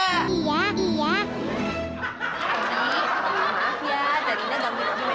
zarina gak punya abu abu yang dipercaya